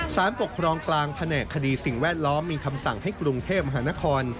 สารปกครองกลางแผนกคดีสิ่งแวดล้อมมีคำสั่งให้กรุงเทพมหานคร